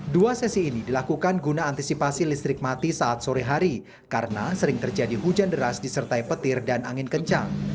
dua sesi ini dilakukan guna antisipasi listrik mati saat sore hari karena sering terjadi hujan deras disertai petir dan angin kencang